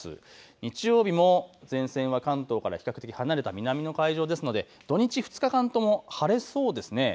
日曜日も前線は関東から比較的離れた南の海上ですので土日２日間とも晴れそうです。